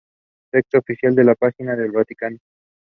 He was the fourth cornerback taken in the draft.